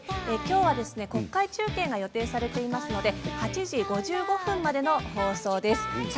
きょうは国会中継が予定されているので８時５５分までの放送です